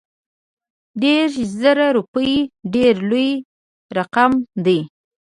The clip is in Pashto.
دېرش زره روپي ډېر لوی رقم دی.